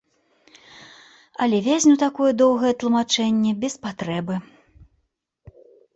Але вязню такое доўгае тлумачэнне без патрэбы.